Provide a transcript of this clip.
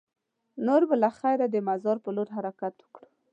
نور به له خیره د مزار په لور حرکت وکړو.